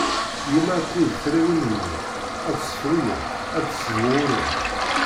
Yemma akked tlawin-nni ad ssefruyent, ad sbuɣurent.